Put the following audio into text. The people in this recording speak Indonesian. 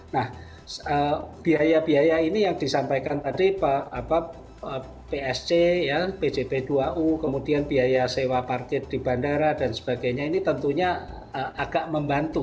nah biaya biaya ini yang disampaikan tadi psc pjp dua u kemudian biaya sewa parkir di bandara dan sebagainya ini tentunya agak membantu